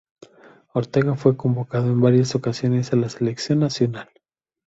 Ortega fue convocado en varias ocasiones a la Selección Nacional.